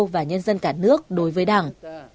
và nhân dân cả nước đối với đảng